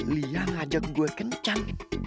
lia ngajak gue kencan